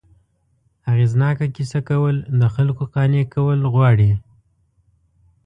اغېزناکه کیسه کول، د خلکو قانع کول غواړي.